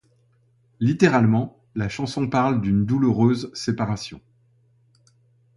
Littéralement, la chanson parle d'une douloureuse séparation.